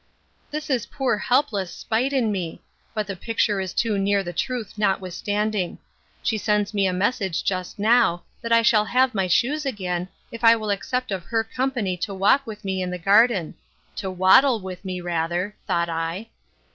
This is poor helpless spite in me:—But the picture is too near the truth notwithstanding. She sends me a message just now, that I shall have my shoes again, if I will accept of her company to walk with me in the garden.—To waddle with me, rather, thought I.